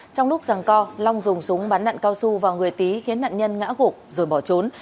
trong lúc giằng co long dùng súng bắn nặn cao su vào người tý khiến nặn nhân ngã gục rồi bỏ trốn